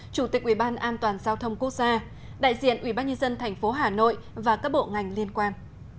chủ tịch ủy ban an toàn giao thông quốc gia đại diện ủy ban nhân dân tp hà nội và các bộ ngành liên quan